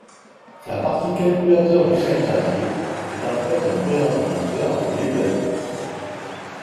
La partie calculateur du Synclavier est en fait un vrai ordinateur appelé Bellevue.